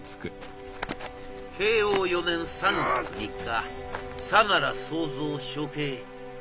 慶應４年３月３日相楽総三処刑。